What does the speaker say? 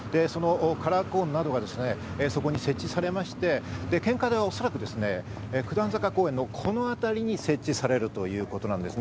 カラーコーンなどがそこに設置されまして、献花台はおそらく九段坂公園のこのあたりに設置されるということなんです。